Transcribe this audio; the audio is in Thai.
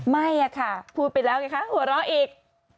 ไม่ค่ะพูดไปแล้วไงคะหัวเราะอีก